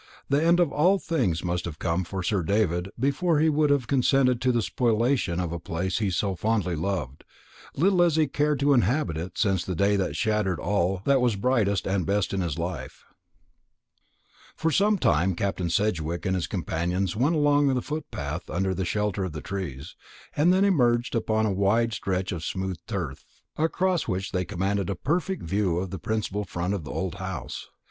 The end of all things must have come for Sir David before he would have consented to the spoliation of a place he fondly loved, little as he had cared to inhabit it since the day that shattered all that was brightest and best in his life. For some time Captain Sedgewick and his companions went along a footpath under the shelter of the trees, and then emerged upon a wide stretch of smooth turf, across which they commanded a perfect view of the principal front of the old house.